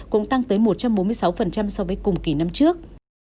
cũng tăng tới một trăm bốn mươi sáu so với cùng kỳ năm trước